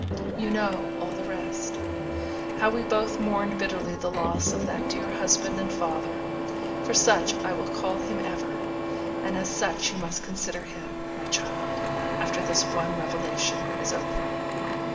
You know all the rest. How we both mourned bitterly the loss of that dear husband and father for such I will call him ever and as such you must consider him, my child, after this one revelation is over.